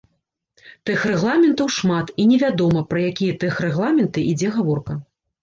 Тэхрэгламентаў шмат, і не вядома, пра якія тэхрэгламенты ідзе гаворка.